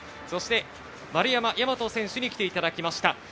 そして丸山大和選手に来ていただきました。